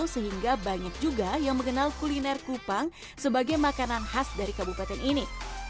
sehingga banyak juga yang mengenal kuliner kupang sebagai makanan khas dari kabupaten ini